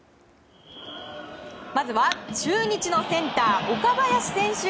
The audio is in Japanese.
まずは中日のセンター岡林選手。